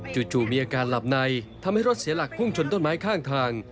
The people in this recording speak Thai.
จู่มีอาการหลับในทำให้รถเสียหลักพุ่งชนต้นไม้ข้างทาง